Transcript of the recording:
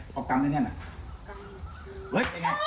ขอบคุณนะนั่นล่ะ